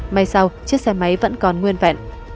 may sao chiếc xe máy vẫn còn nguyên vẹn